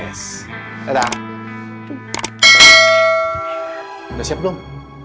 udah siap dong